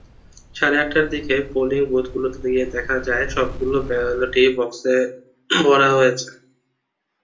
সাড়ে আটটার দিকে পোলিং বুথগুলোতে গিয়ে দেখা যায়, সবগুলো ব্যালটই বাক্সে ভরা হয়েছে।